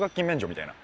みたいな。